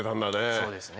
そうですね。